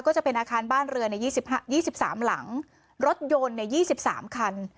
ก็จะเป็นอาคารบ้านเรือนในยี่สิบห้ายี่สิบสามหลังรถยนต์ในยี่สิบสามคัน